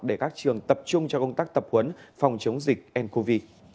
để các trường tập trung cho công tác tập huấn phòng chống dịch ncov